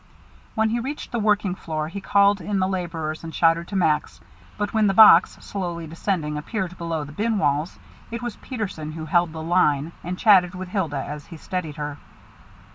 When he reached the working floor, he called in the laborers and shouted to Max. But when the box, slowly descending, appeared below the bin walls, it was Peterson who held the line and chatted with Hilda as he steadied her.